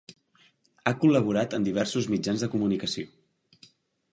Ha col·laborat en diversos mitjans de comunicació.